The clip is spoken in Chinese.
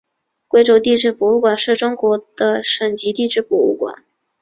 贵州地质博物馆是中国的省级地质博物馆。